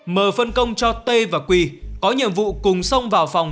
m phân công cho t và quỳ có nhiệm vụ cùng xông vào phòng